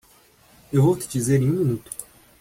Eu vou te dizer em um minuto.